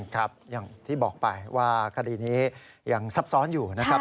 ครับอย่างที่บอกไปว่าคดีนี้ยังซับซ้อนอยู่นะครับ